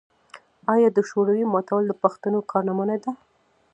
آیا د شوروي ماتول د پښتنو کارنامه نه ده؟